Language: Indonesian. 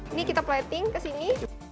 ini kita plating ke sini